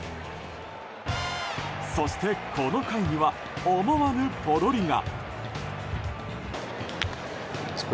そして、この回には思わぬポロリが。